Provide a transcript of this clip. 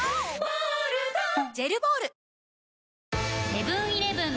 セブン−イレブン